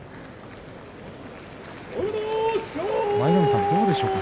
舞の海さん、どうでしょうか？